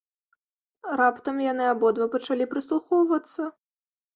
Раптам яны абодва пачалі прыслухоўвацца.